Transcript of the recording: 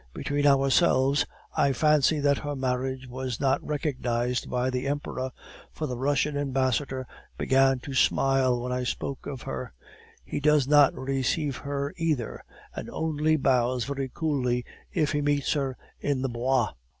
Between ourselves, I fancy that her marriage was not recognized by the Emperor, for the Russian ambassador began to smile when I spoke of her; he does not receive her either, and only bows very coolly if he meets her in the Bois.